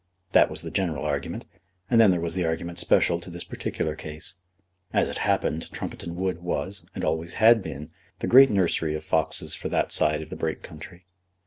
That was the general argument, and then there was the argument special to this particular case. As it happened, Trumpeton Wood was, and always had been, the great nursery of foxes for that side of the Brake country.